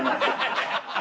「ハハハハ！」